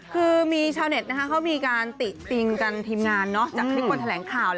คือมีชาวเน็ตเขามีการติติงกันทีมงานจากคลิปวันแถลงข่าว